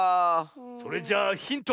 それじゃあヒント。